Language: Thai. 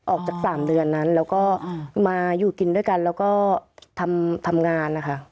ออกจาก๓เดือนนั้นแล้วก็มาอยู่กินด้วยกันแล้วก็ทำงานนะคะ